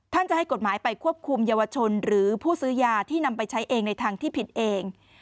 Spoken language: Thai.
ท่านจะให้กฎหมายไปควบคุมเยาวชนหรือผู้ซื้อยาที่นำไปใช้เองในทางที่ผิดเอง